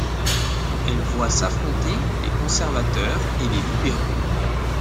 Elle voit s'affronter les conservateurs et les libéraux.